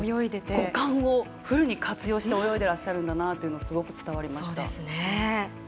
五感をフルに活用して泳いでらっしゃるんだなとすごく伝わりました。